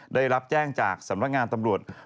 ได้รับแจ้งจากสำนักงานตำรวจ